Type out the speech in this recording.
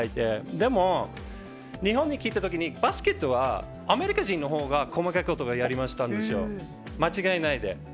でも、日本に来たときに、バスケットは、アメリカ人のほうが細かいことをやりましたんですよ、間違いないで。